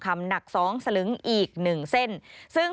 มันโดนเอง